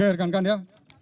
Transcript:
oke rekan rekan ya